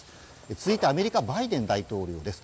続いて、アメリカのバイデン大統領です。